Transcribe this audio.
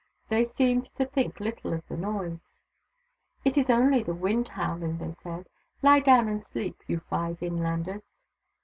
They seemed to think little of the noise. " It is only the wind howling," they said. " Lie down and sleep, you five inlanders